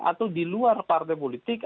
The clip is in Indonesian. atau di luar partai politik